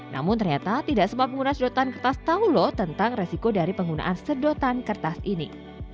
namun ternyata tidak semua pengguna sedotan kertas tahu loh tentang resiko dari penggunaan sedotan kertas ini